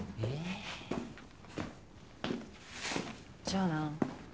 じゃあな。